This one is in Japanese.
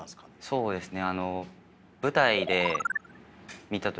そうですか。